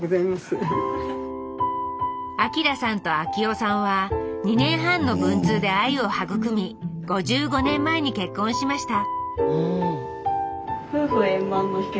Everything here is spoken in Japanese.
明さんと昭世さんは２年半の文通で愛を育み５５年前に結婚しました